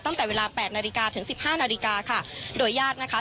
ตั้งแต่เวลาแปดนาฬิกาถึงสิบห้านาฬิกาค่ะโดยญาตินะคะ